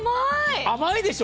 甘いでしょ。